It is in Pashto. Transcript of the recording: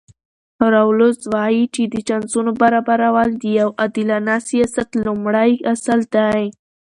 راولز وایي چې د چانسونو برابرول د یو عادلانه سیاست لومړی اصل دی.